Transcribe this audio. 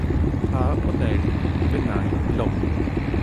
Hapoel Bnei Lod